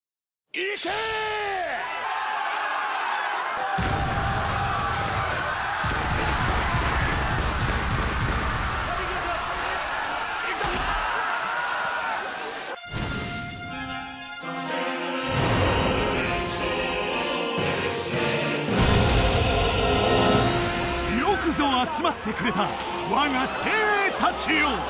いけーよくぞ集まってくれた我が精鋭たちよ